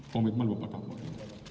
komitmen bapak kapolri